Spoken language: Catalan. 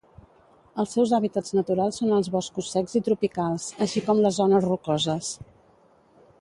Els seus hàbitats naturals són els boscos secs i tropicals, així com les zones rocoses.